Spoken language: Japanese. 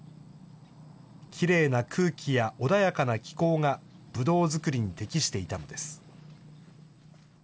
きれいな空気や穏やかな気候がブドウ作りに適していたのです。